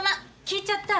聞いちゃった。